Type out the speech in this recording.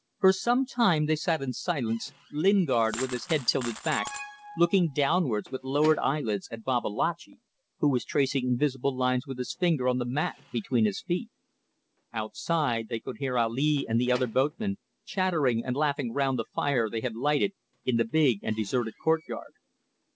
For some time they sat in silence. Lingard, with his head tilted back, looked downwards with lowered eyelids at Babalatchi, who was tracing invisible lines with his finger on the mat between his feet. Outside, they could hear Ali and the other boatmen chattering and laughing round the fire they had lighted in the big and deserted courtyard.